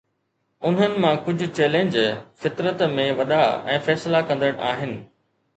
انهن مان ڪجهه چئلينج فطرت ۾ وڏا ۽ فيصلا ڪندڙ آهن.